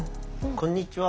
こんにちは。